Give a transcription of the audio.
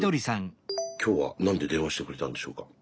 きょうは何で電話してくれたんでしょうか？